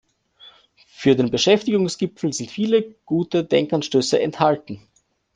Für den Beschäftigungsgipfel sind viele gute Denkanstöße enthalten.